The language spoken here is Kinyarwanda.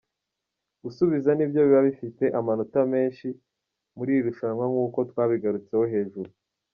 Gusubiza nibyo biba bifite amanota menshi muri iri rushanwa nkuko twabigarutseho hejuru.